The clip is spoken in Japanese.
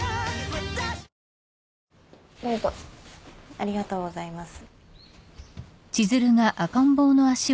ありがとうございます。